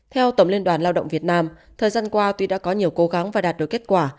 theo tổng liên đoàn lao động việt nam thời gian qua tuy đã có nhiều cố gắng và đạt được kết quả